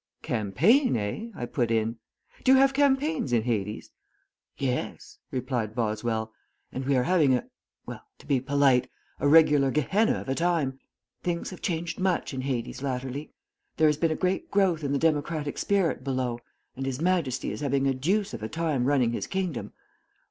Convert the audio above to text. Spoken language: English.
"Campaign, eh?" I put in. "Do you have campaigns in Hades?" "Yes," replied Boswell, "and we are having a well, to be polite, a regular Gehenna of a time. Things have changed much in Hades latterly. There has been a great growth in the democratic spirit below, and his Majesty is having a deuce of a time running his kingdom.